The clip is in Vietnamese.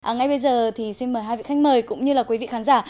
ngay bây giờ thì xin mời hai vị khách mời cũng như là quý vị khán giả